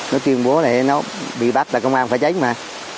nó kiên bố để nó bị bắt là công an phải cháy mà